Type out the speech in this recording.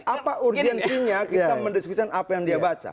apa urgensinya kita mendiskusikan apa yang dia baca